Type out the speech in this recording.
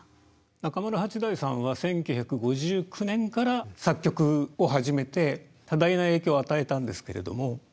中村八大さんは１９５９年から作曲を始めて多大な影響を与えたんですけれどもそれまでの日本にあったのは